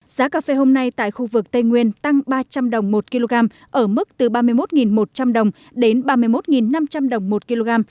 giá cà phê hôm nay tại khu vực tây nguyên tăng ba trăm linh đồng một kg ở mức từ ba mươi một một trăm linh đồng đến ba mươi một năm trăm linh đồng một kg